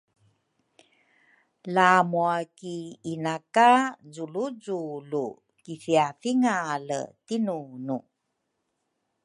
la mwa ki ina ka Zuluzulu kithiathingale tinunu